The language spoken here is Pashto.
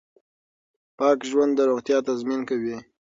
پاک ژوند د روغتیا تضمین کوي.